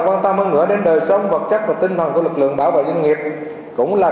quan tâm hơn nữa đến đời sống vật chất và tinh thần của lực lượng bảo vệ doanh nghiệp cũng là